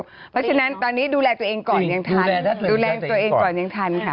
เพราะฉะนั้นตอนนี้ดูแลตัวเองก่อนยังทันดูแลตัวเองก่อนยังทันค่ะ